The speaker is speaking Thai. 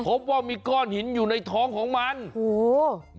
พบว่ามีก้อนหินอยู่ในท้องของมันโอ้โห